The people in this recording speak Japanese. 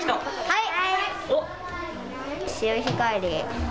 はい。